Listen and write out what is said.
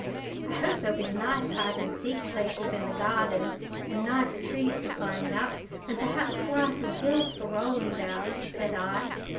"I hope there'll be nice hide and seek places in the garden, and nice trees for climbing up, and perhaps grassy hills for rolling down," said I.